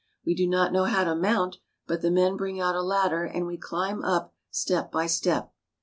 We do not know how to mount, but the men bring out a ladder, and we climb up step by step.